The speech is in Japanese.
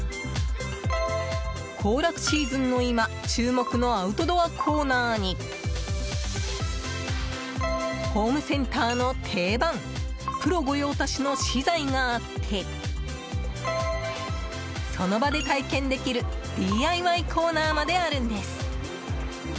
行楽シーズンの今注目のアウトドアコーナーにホームセンターの定番プロ御用達の資材があってその場で体験できるＤＩＹコーナーまであるんです！